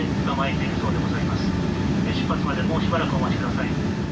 出発までもうしばらくお待ちくだ